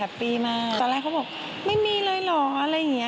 เบาะคนน้อยอะไรแบบนี้